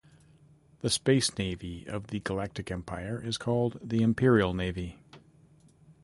The space navy of the Galactic Empire is called the "Imperial Navy".